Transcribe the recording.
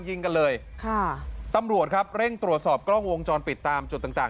ยิงกันเลยค่ะตำรวจครับเร่งตรวจสอบกล้องวงจรปิดตามจุดต่างต่าง